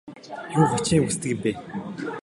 Юун хачин юм хүсдэг юм бэ?